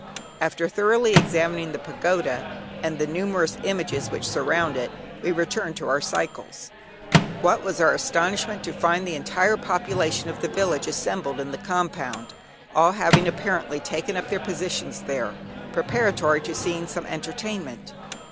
After thoroughly examining the pagoda, and the numerous images which surround it, we returned to our cycles. What was our astonishment to find the entire population of the village assembled in the compound, all having apparently taken up their positions there, preparatory to seeing some entertainment.